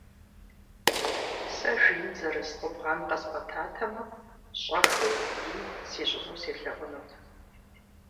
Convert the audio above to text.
Сэ жин зэрыс къубгъан къэзгъуэтатэмэ, щӏэхыу ин сищӏыну селъэӏунут.